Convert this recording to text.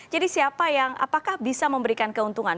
jadi siapa yang apakah bisa memberikan keuntungan